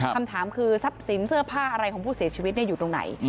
คำถามคือทรัพย์สินเสื้อผ้าอะไรของผู้เสียชีวิตอยู่ตรงไหน